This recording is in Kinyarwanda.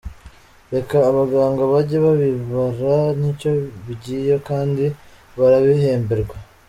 Reka abaganga bajye babibara nicyo bigiye kandi barabihemberwa.